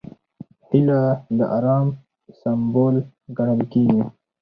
هیلۍ د ارام سمبول ګڼل کېږي